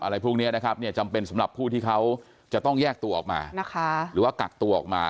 พวกนี้นะครับเนี่ยจำเป็นสำหรับผู้ที่เขาจะต้องแยกตัวออกมานะคะหรือว่ากักตัวออกมา